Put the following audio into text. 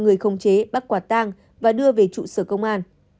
người không chế bắt quạt tang và đưa về trụ sở công an